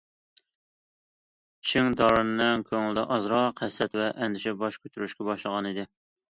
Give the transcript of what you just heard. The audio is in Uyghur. چىڭ دارىننىڭ كۆڭلىدە ئازراق ھەسەت ۋە ئەندىشە باش كۆتۈرۈشكە باشلىغانىدى.